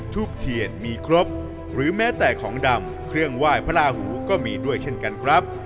ทูบเทียนมีครบหรือแม้แต่ของดำเครื่องไหว้พระลาหูก็มีด้วยเช่นกันครับ